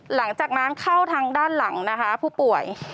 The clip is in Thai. หลังจากนั้นเข้าทางด้านหลังนะคะผู้ป่วย